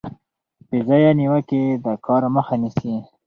بې ځایه نیوکې د کار مخه نیسي.